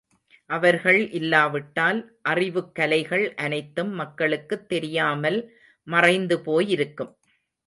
அவர்கள் இல்லாவிட்டால் அறிவுக் கலைகள் அனைத்தும் மக்களுக்குத் தெரியாமல் மறைந்து போயிருக்கும்.